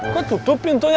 kok tutup pintunya